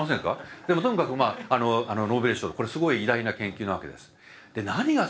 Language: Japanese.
でもともかくあのノーベル賞これすごい偉大な研究なわけです。